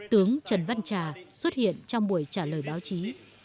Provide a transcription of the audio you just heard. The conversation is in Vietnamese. tướng trần văn trà xuất hiện trong buổi trả lời báo chí